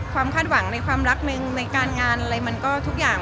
คาดหวังในความรักหนึ่งในการงานอะไรมันก็ทุกอย่าง